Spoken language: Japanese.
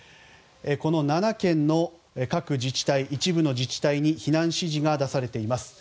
この７県の一部の自治体に避難指示が出されています。